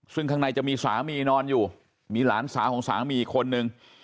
ซึ่งข้างในจะมีสามีนอนอยู่มีหลานสาวของสามีอีกคนนึง